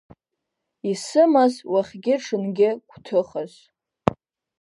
Исымаз уахгьы-ҽынгьы гәҭыхас…